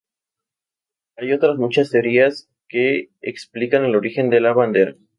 Hay otras muchas teorías que explican el origen de la bandera.